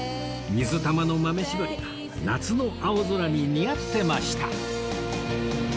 水玉の豆絞りが夏の青空に似合ってました